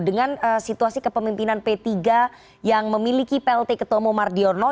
dengan situasi kepemimpinan p tiga yang memiliki plt ketua umum mardiono